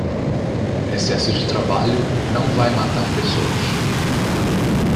Excesso de trabalho não vai matar pessoas